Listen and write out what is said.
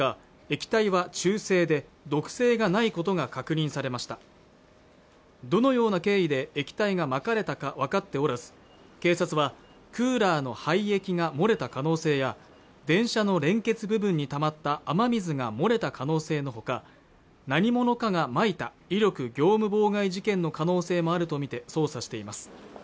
液体は中性で毒性がないことが確認されましたどのような経緯で液体がまかれたか分かっておらず警察はクーラーの排液が漏れた可能性や電車の連結部分にたまった雨水が漏れた可能性のほか何者かが撒いた威力業務妨害事件の可能性もあるとみて捜査しています